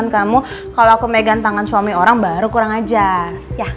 kalau aku pegang tangan suami orang baru kurang ajar